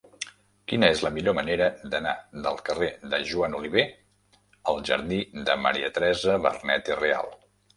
Quina és la millor manera d'anar del carrer de Joan Oliver al jardí de Maria Teresa Vernet i Real?